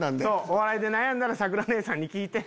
お笑いで悩んだら咲楽姉さんに聞いて。